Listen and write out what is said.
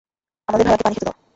আমাদের ভেড়াকে পানি খেতে দাও।